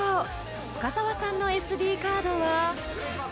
［深澤さんのＳＤカードは？］